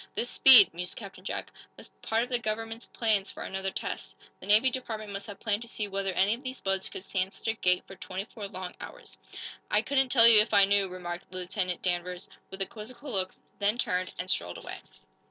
"This speed," mused Captain Jack, "must be part of the government's plans for another test. The Navy Department must have planned to see whether any of these boats could stand such a gait for twenty four long hours." "I couldn't tell you if I knew," remarked Lieutenant Danvers, with a quizzical look, then turned and strolled away.